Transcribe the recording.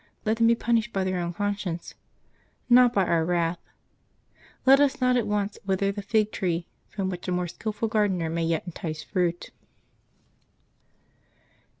Let them be punished by their own conscience, not by our wrath. Let us not at once wither the fig tree, from which a more skilful gardener may yet entice fruit."